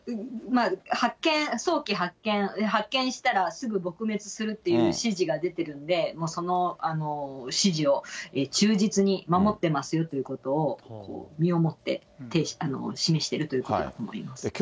早期発見、発見したらすぐ撲滅するという指示が出てるんで、もうその指示を忠実に守ってますよということを、身をもって示してるということだと思います。